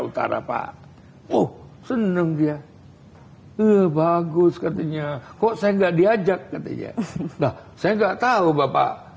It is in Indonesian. utara pak oh seneng dia eh bagus katanya kok saya nggak diajak katanya nah saya nggak tahu bapak